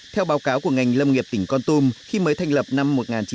theo báo cáo của ngành lâm nghiệp tỉnh con tum khi mới thành lập năm một nghìn chín trăm bảy mươi